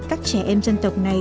các trẻ em dân tộc này